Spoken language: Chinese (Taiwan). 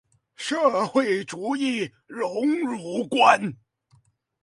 社會主義榮辱觀